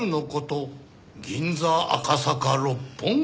銀座赤坂六本木。